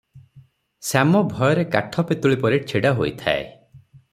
ଶ୍ୟାମ ଭୟରେ କାଠ ପିତୁଳି ପରି ଛିଡ଼ା ହୋଇଥାଏ ।